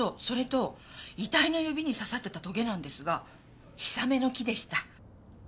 それと遺体の指に刺さってたトゲなんですがヒサメノキでした。